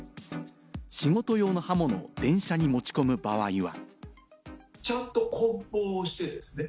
仕事用の刃物を電車に持ち込む場合は。